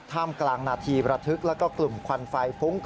ถ้ามกลางหน้าทีประทึกและกลุ่มควันไฟ